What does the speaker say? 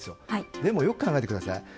でも、よく考えてください。